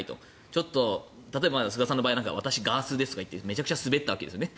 ちょっと例えば菅さんの場合は私はガースーですとか言ってめちゃくちゃ滑ったわけですよね。